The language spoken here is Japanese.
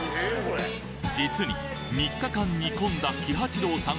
実に３日間煮込んだ喜八郎さん